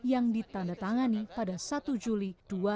yang ditandatangani pada satu juli dua ribu sebelas